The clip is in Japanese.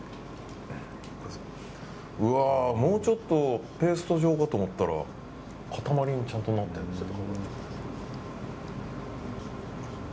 もうちょっとペースト状かと思ったら塊にちゃんとなってるんですね。